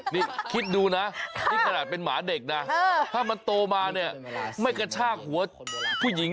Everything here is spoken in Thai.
นี่คิดดูนะนี่ขนาดเป็นหมาเด็กนะถ้ามันโตมาเนี่ยไม่กระชากหัวผู้หญิง